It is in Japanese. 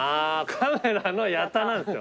「カメラのヤタ」なんですよ。